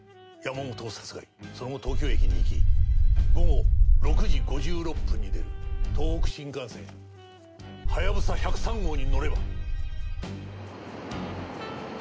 その後東京駅に行き午後６時５６分に出る東北新幹線はやぶさ１０３号に乗れば。